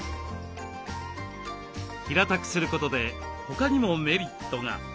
平たくすることで他にもメリットが。